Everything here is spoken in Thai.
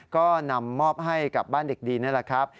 ก็นำมอบให้กับบ้านเด็กดีนี่แหละครับ